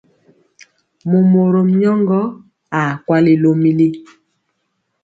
Momorom nyɔŋgɔ aa kwali lomili.